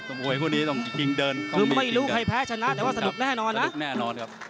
มวยคู่นี้ต้องยิงเดินคือไม่รู้ใครแพ้ชนะแต่ว่าสนุกแน่นอนนะแน่นอนครับ